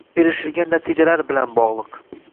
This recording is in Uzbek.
erishilgan natijalar bilan bog‘liq.